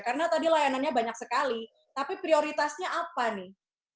karena tadi layanannya banyak sekali tapi prioritasnya apa nih